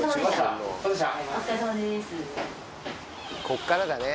こっからだね。